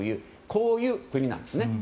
こういう国なんです。